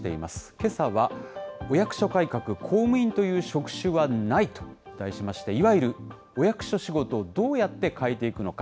けさは、お役所改革公務員という職種はないと題しまして、いわゆるお役所仕事をどうやって変えていくのか。